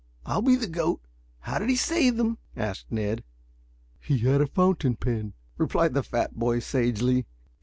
"I'll be the goat. How did he save them?" asked Ned. "He had a fountain pen," replied the fat boy sagely.